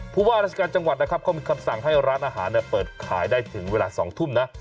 ผู้ว่าราชการจังหวัดนะครับเขามีคำสั่งให้ร้านอาหารเปิดขายได้ถึงเวลา๒ทุ่มนะ